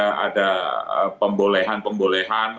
kalau ada pembolehan pembolehan